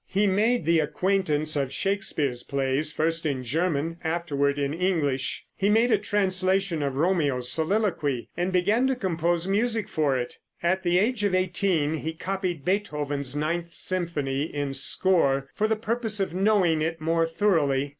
He made the acquaintance of Shakespeare's plays, first in German, afterward in English. He made a translation of Romeo's soliloquy, and began to compose music for it. At the age of eighteen he copied Beethoven's ninth symphony in score, for the purpose of knowing it more thoroughly.